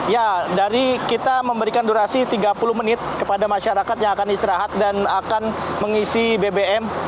ya dari kita memberikan durasi tiga puluh menit kepada masyarakat yang akan istirahat dan akan mengisi bbm